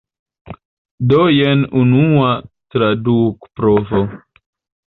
Do jen unua tradukprovo.